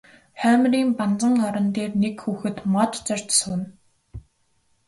Хоймрын банзан орон дээр нэг хүүхэд мод зорьж сууна.